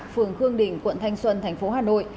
phường khương đình quận thanh xuân thành phố hà nội